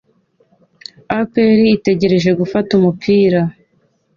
APRitegereje gufata umupira